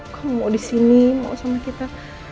kamu mau disini mau sama kita